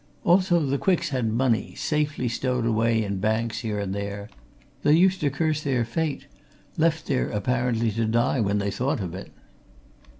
Also, the Quicks had money, safely stowed away in banks here and there they used to curse their fate, left there apparently to die, when they thought of it.